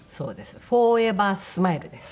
『フォーエバー・スマイル』です。